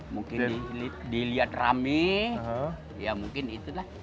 mungkin dilihat rame ya mungkin itulah